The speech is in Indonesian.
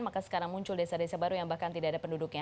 maka sekarang muncul desa desa baru yang bahkan tidak ada penduduknya